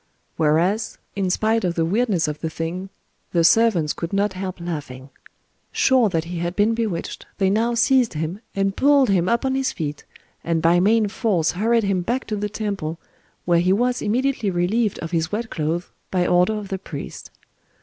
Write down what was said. Whereat, in spite of the weirdness of the thing, the servants could not help laughing. Sure that he had been bewitched, they now seized him, and pulled him up on his feet, and by main force hurried him back to the temple,—where he was immediately relieved of his wet clothes, by order of the priest.